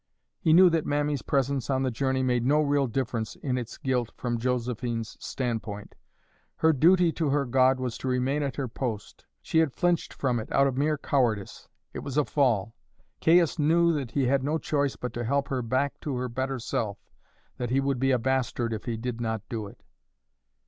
He knew that Mammy's presence on the journey made no real difference in its guilt from Josephine's standpoint; her duty to her God was to remain at her post. She had flinched from it out of mere cowardice it was a fall. Caius knew that he had no choice but to help her back to her better self, that he would be a bastard if he did not do it.